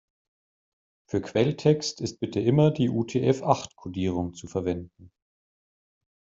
Für Quelltext ist bitte immer die UTF-acht-Kodierung zu verwenden.